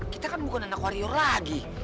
kita kan bukan anak warrior lagi